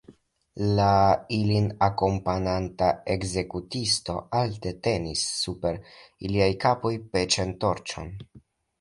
La ilin akompananta ekzekutisto alte tenis super iliaj kapoj peĉan torĉon.